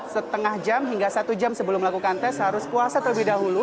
setengah jam hingga satu jam sebelum melakukan tes harus puasa terlebih dahulu